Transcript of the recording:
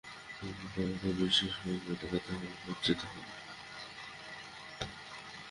তিনি তারাগোনার বিশপের এলাকায় থাকাকালীন পরিচিত হন।